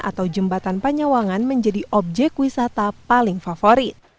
atau jembatan panyawangan menjadi objek wisata paling favorit